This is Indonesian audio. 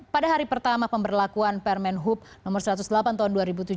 pada hari pertama pemberlakuan permen hub no satu ratus delapan tahun dua ribu tujuh belas